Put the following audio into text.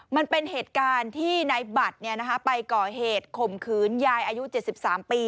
มันเป็นเหตุการณ์ที่นายบัตรไปก่อเหตุข่มขืนยายอายุ๗๓ปี